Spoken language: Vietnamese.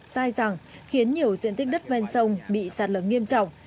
sai rằng khiến nhiều diện tích đất ven sông bị sạt lở nghiêm trọng